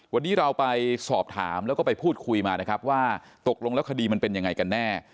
วันนี้เราไปสอบถามแล้วก็ไปพูดคุยมานะครับว่าตกลงแล้วคดีมันเป็นยังไงกันแน่